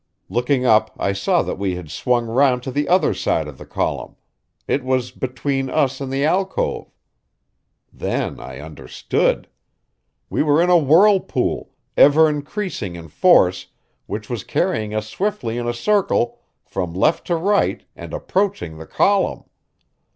Looking up, I saw that we had swung round to the other side of the column it was between us and the alcove. Then I understood. We were in a whirlpool, ever increasing in force, which was carrying us swiftly in a circle from left to right and approaching the column.